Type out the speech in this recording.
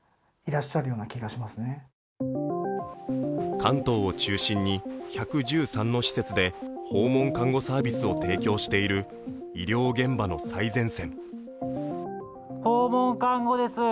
関東を中心に１１３の施設で訪問看護サービスを提供している医療現場の最前線。